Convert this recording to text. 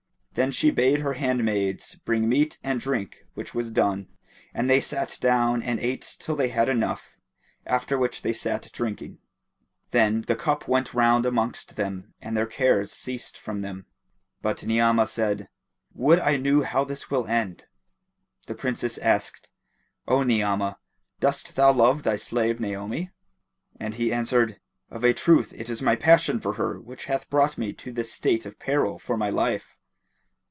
Then she bade her handmaids bring meat and drink which was done, and they sat down and ate till they had enough, after which they sat drinking. Then the cup went round amongst them and their cares ceased from them; but Ni'amah said, "Would I knew how this will end." The Princess asked, "O Ni'amah, dost thou love thy slave Naomi?"; and he answered, "Of a truth it is my passion for her which hath brought me to this state of peril for my life."